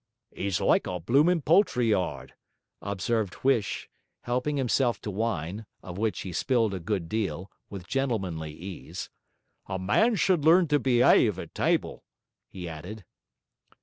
''E's like a bloomin' poultry yard!' observed Huish, helping himself to wine (of which he spilled a good deal) with gentlemanly ease. 'A man should learn to beyave at table,' he added.